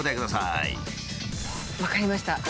分かりました。